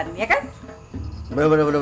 ntar kek pindah ke rumah